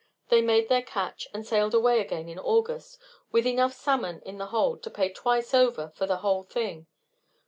They made their catch, and sailed away again in August with enough salmon in the hold to pay twice over for the whole thing.